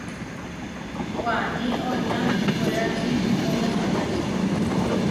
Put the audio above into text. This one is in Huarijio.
Waní oiná ihkwérači noʼó yasariáči.